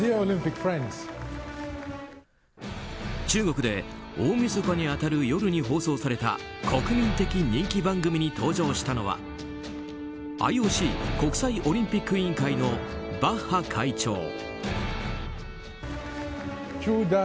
中国で大みそかに当たる夜に放送された国民的人気番組に登場したのはＩＯＣ・国際オリンピック委員会のバッハ会長。